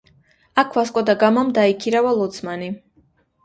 აქ ვასკო და გამამ დაიქირავა ლოცმანი.